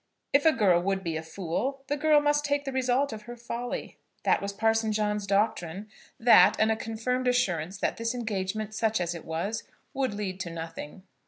If a girl would be a fool, the girl must take the result of her folly. That was Parson John's doctrine, that and a confirmed assurance that this engagement, such as it was, would lead to nothing.